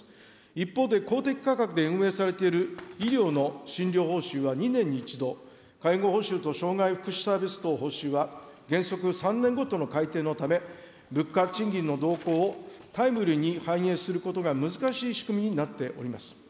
一方で公定価格で運営されている医療の診療報酬は２年に１度、介護報酬と障害福祉サービス等報酬は原則、３年ごとの改定のため、物価、賃金の動向をタイムリーに還元することが難しい仕組みになっております。